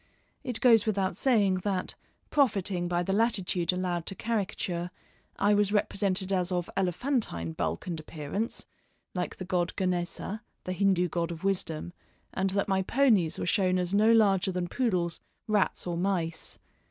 It goes without saying that, profiting by the latitude allowed to caricature, I was represented as of elephantine bulk and appearance, like the god Ganesa, the Hindoo god of wisdom, and that my ponies were shown as no larger than poodles, rats, or mice.